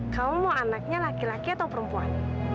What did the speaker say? kamu mau anaknya laki laki atau perempuan